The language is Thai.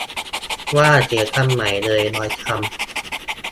ว่าเขียนคำใหม่เลยร้อยคำ